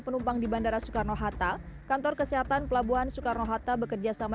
penumpang di bandara soekarno hatta kantor kesehatan pelabuhan soekarno hatta bekerjasama